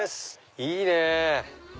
いいねぇ。